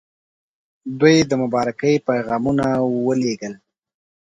دوی د مبارکۍ پیغامونه ولېږل.